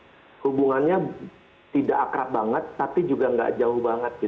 dan hubungannya tidak akrab banget tapi juga tidak jauh banget